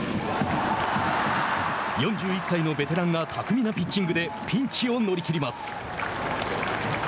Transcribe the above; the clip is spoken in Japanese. ４１歳のベテランが巧みなピッチングでピンチを乗り切ります。